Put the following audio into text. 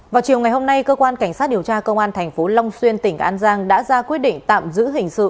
vào chiều ngày hôm nay cơ quan cảnh sát điều tra công an tp long xuyên tỉnh an giang đã ra quyết định tạm giữ hình sự